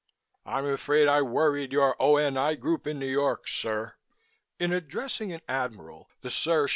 "I'm afraid I worried your O.N.I. group in New York, sir!" in addressing an Admiral, the "sir!"